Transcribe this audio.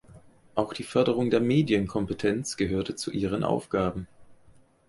Auch die Förderung der Medienkompetenz gehörte zu ihren Aufgaben.